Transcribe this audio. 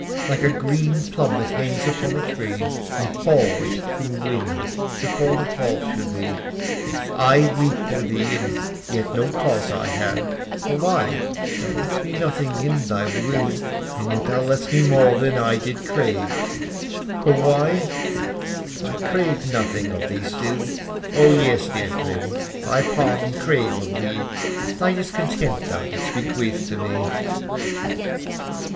Like a green plum that hangs upon a tree, And falls, through wind, before the fall should he. I weep for thee, and yet no cause I have; For why thou left'st me nothing in thy will: And yet thou left'st me more than I did crave; For why I craved nothing of thee still: O yes, dear friend, I pardon crave of thee, Thy discontent thou didst bequeath to me.